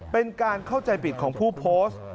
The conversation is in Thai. เป็นการเข้าใจผิดของผู้โพสต์